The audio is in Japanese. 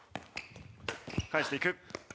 返していく。